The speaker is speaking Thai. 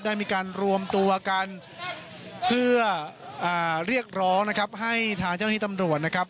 ได้มีการรวมตัวกันเพื่อเรียกร้องนะครับให้ทางเจ้าหน้าที่ตำรวจนะครับ